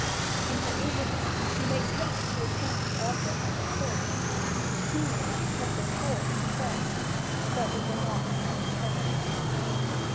In her eagerness she makes haste to attain the object of her search. Keenly she presses forward in her quest, but it will not soon terminate.